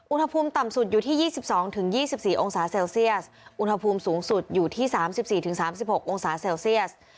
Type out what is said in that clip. อุณหภูมิต่ำสุดอยู่ที่ยี่สิบสองถึงยี่สิบสี่องศาเซลเซียสอุณหภูมิสูงสุดอยู่ที่สามสิบสี่ถึงสามสิบหกองศาเซลเซียส